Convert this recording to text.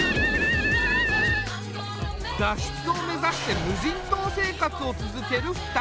脱出を目指して無人島生活を続ける２人。